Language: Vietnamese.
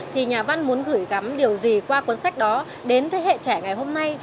thì nhà văn muốn gửi gắm điều gì qua cuốn sách đó đến thế hệ trẻ ngày hôm nay